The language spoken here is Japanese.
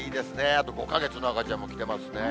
あと５か月の赤ちゃんも来てますね。